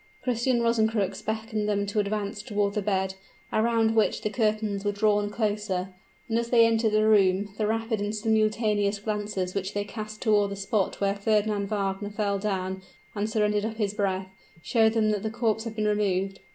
Christian Rosencrux beckoned them to advance toward the bed, around which the curtains were drawn closer; and as they entered the room, the rapid and simultaneous glances which they cast toward the spot where Fernand Wagner fell down and surrendered up his breath, showed them that the corpse had been removed.